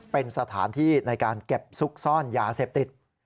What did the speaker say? เป็นสถานที่ในการเก็บซุกซ่อนยาเสพติด